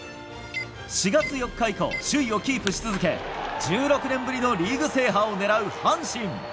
４月４日以降首位をキープし続け１６年ぶりのリーグ制覇を狙う阪神。